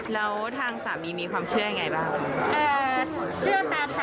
แล้วทางสามีมีความเชื่อยังไงบ้าง